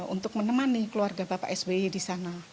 untuk menemani keluarga bapak sby di sana